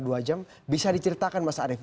dua jam bisa diceritakan mas arief